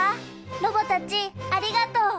ロボたちありがとう。